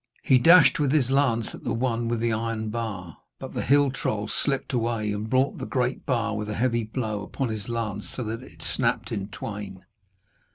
He dashed with his lance at the one with the iron bar, but the hill troll slipped away, and brought the great bar with a heavy blow upon his lance, so that it snapped in twain.